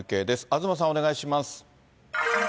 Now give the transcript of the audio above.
東さんお願いします。